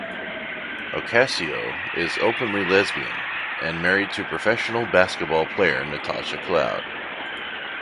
Ocasio is openly lesbian and married to professional basketball player Natasha Cloud.